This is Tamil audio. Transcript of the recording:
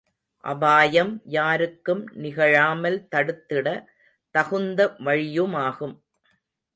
அபாயம் யாருக்கும் நிகழாமல் தடுத்திட தகுந்த வழியுமாகும்.